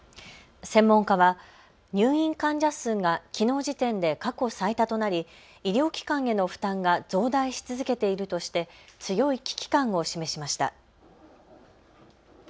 専門家は入院患者数がきのう時点で過去最多となり医療機関への負担が増大し続けているとして強い危機感を示しました。